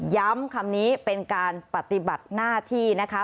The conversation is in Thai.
คำนี้เป็นการปฏิบัติหน้าที่นะคะ